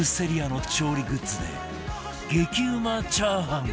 Ｓｅｒｉａ の調理グッズで激うまチャーハン